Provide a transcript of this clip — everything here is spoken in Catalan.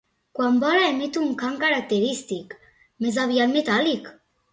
Quan vola emet un cant característic, més aviat metàl·lic.